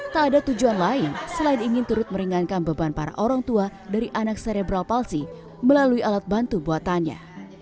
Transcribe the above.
tak ada tujuan lain selain ingin turut meringankan beban para orang tua dari anak serebral palsi melalui alat bantu buatannya